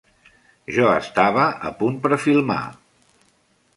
Jo estava 'a punt per filmar'.